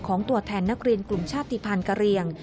ตัวแทนนักเรียนกลุ่มชาติภัณฑ์กะเรียง